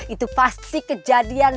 itu pasti kejadian